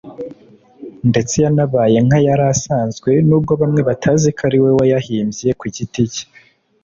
ndetse yanabaye nk’ayari asanzwe n’ubwo bamwe batazi ko ari we wayahimbye ku giti cye